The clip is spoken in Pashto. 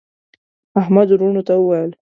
احمد وروڼو ته وویل: